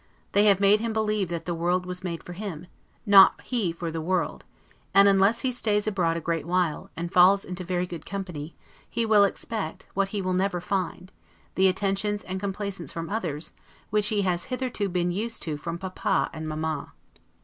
They have made him believe that the world was made for him, not he for the world; and unless he stays abroad a great while, and falls into very good company, he will expect, what he will never find, the attentions and complaisance from others, which he has hitherto been used to from Papa and Mamma.